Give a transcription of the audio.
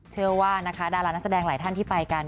เชื่อว่านะคะดารานักแสดงหลายท่านที่ไปกัน